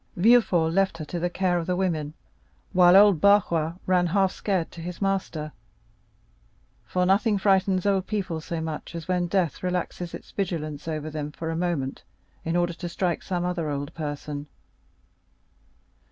Villefort left her to the care of the women, while old Barrois ran, half scared, to his master; for nothing frightens old people so much as when death relaxes its vigilance over them for a moment in order to strike some other old person.